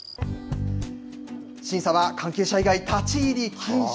審査は関係者以外立ち入り禁止。